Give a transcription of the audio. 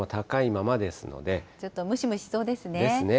ちょっとムシムシしそうですですね。